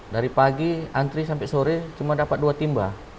dari pagi antri sampai sore cuma dapat dua timba